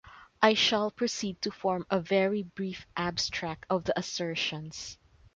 I shall proceed to form a very brief abstract of the assertions.